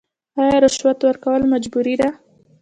آیا رشوت ورکول مجبوري ده؟